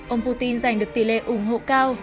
ông putin giành được tỷ lệ ủng hộ cao